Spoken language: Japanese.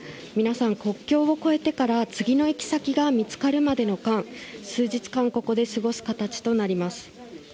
皆さん、国境を越えてから次の行き先が見つかるまでの間数日間ここで過ごす形となります。